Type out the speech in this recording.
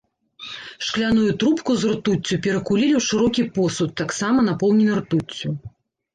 Шкляную трубку з ртуццю перакулілі ў шырокі посуд, таксама напоўнены ртуццю.